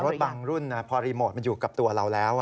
บางรุ่นพอรีโมทมันอยู่กับตัวเราแล้ว